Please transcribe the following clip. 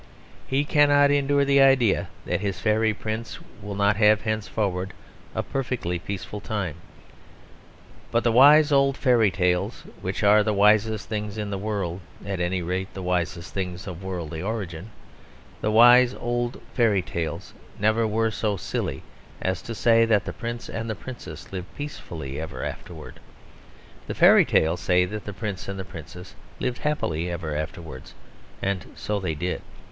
He cannot endure the idea that his fairy prince will not have henceforward a perfectly peaceful time. But the wise old fairy tales (which are the wisest things in the world, at any rate the wisest things of worldly origin), the wise old fairy tales never were so silly as to say that the prince and the princess lived peacefully ever afterwards. The fairy tales said that the prince and princess lived happily ever afterwards: and so they did.